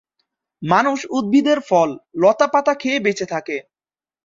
মানুষ উদ্ভিদের ফল, লতাপাতা খেয়ে বেঁচে থাকে।